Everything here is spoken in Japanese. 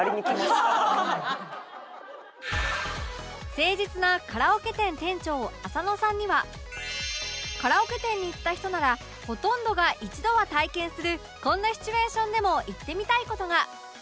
誠実なカラオケ店店長浅野さんにはカラオケ店に行った人ならほとんどが一度は体験するこんなシチュエーションでも言ってみたい事が